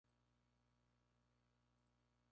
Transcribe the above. Este libro es una de las últimas publicaciones del autor.